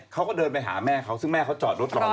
เขาก็เดินไปหาแม่เขาซึ่งแม่เขาจอดรถหลอนอาวาสเลย